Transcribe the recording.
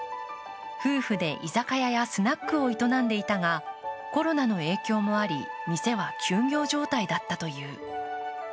夫婦で居酒屋やスナックを営んでいたがコロナの影響もあり、店は休業状態だったという。